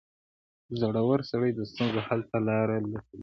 • زړور سړی د ستونزو حل ته لاره لټوي.